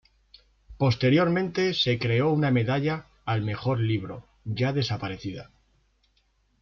Posteriormente se creó una medalla al mejor libro, ya desaparecida.